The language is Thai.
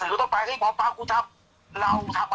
แม่ยังคงมั่นใจและก็มีความหวังในการทำงานของเจ้าหน้าที่ตำรวจค่ะ